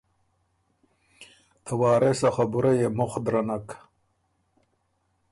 ته وارث آ خبُره يې مُخ درنک۔